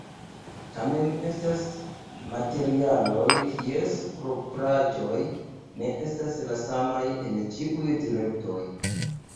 Tamen, estas materialoj kies propraĵoj ne estas la samaj en ĉiuj direktoj.